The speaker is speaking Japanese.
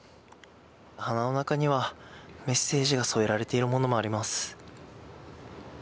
花の中にはメッセージが添えられているものもあります。